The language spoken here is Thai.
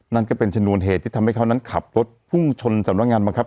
นั่นก็เป็นชนวนเหตุที่ทำให้เขานั้นขับรถพุ่งชนสำนักงานบังคับ